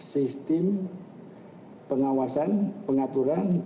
sistem pengawasan pengaturan